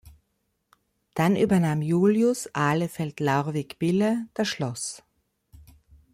Dann übernahm Julius Ahlefeldt-Laurvig-Bille das Schloss.